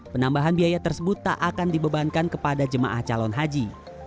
penambahan biaya tersebut tak akan dibebankan kepada jemaah calon haji